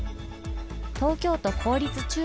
東京都公立中